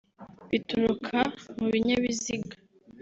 bituruka mu binyabiziga